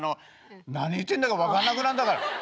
何言ってんだか分かんなくなるんだから。